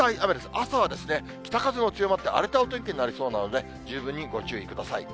朝は北風も強まって荒れたお天気になりそうなので、十分にご注意ください。